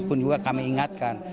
pun juga kami ingatkan